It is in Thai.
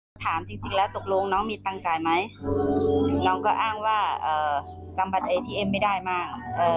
นี่ครับแต่พอมาวันนี้รู้สึกแบบน่ากลัวแล้วนะเจ๊บอก